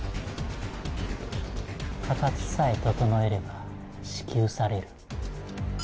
形さえ整えれば支給される。